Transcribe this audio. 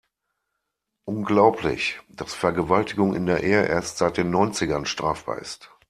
Unglaublich, dass Vergewaltigung in der Ehe erst seit den Neunzigern strafbar ist.